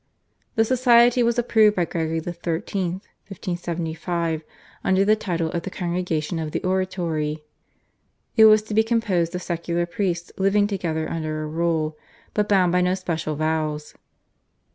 The society was approved by Gregory XIII. (1575) under the title of the Congregation of the Oratory. It was to be composed of secular priests living together under a rule, but bound by no special vows.